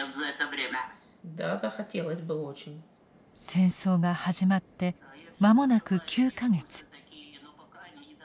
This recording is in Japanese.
☎戦争が始まって間もなく９か月。